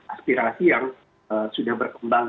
aspirasi yang sudah berkembang